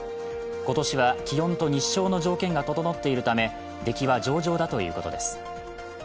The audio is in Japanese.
今年は気温と日照の条件が整っているため、出来は上々だということです。